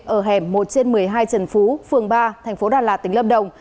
ở hẻm một trên một mươi hai trần phú phường ba thành phố đà lạt tỉnh lâm đồng